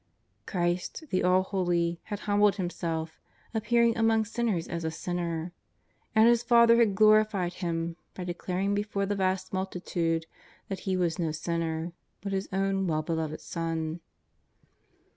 Christ, the All Holy, had humbled Himself, appearing among sinners as a sinner. And His Father had glorified Him by declaring before that vast multitude that He was no sinner but His own well Beloved Son.